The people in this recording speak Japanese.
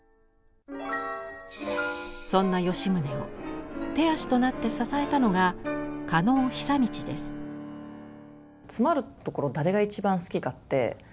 そんな吉宗を手足となって支えたのがつまるところ誰が一番好きかって